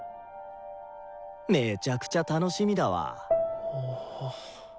めちゃくちゃ楽しみだわ。